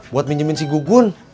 buat minjemin si gugun